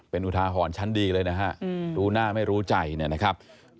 เป็นอุทาหอนชั้นดีเลยนะฮะดูหน้าไม่รู้ใจนะครับ